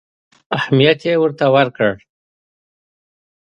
اهمیت یې ورته ورکړ.